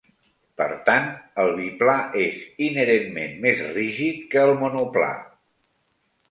Per tant, el biplà és inherentment més rígid que el monoplà.